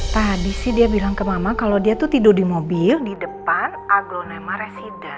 tadi sih dia bilang ke mama kalau dia tuh tidur di mobil di depan aglonema resida